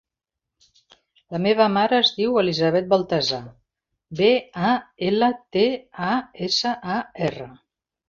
La meva mare es diu Elisabeth Baltasar: be, a, ela, te, a, essa, a, erra.